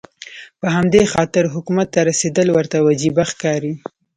په همدې خاطر حکومت ته رسېدل ورته وجیبه ښکاري.